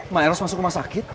maeros masuk rumah sakit